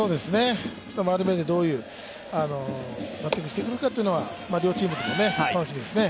２回り目でどういうバッティングしてくるかっていうのは両チームとも、楽しみですね。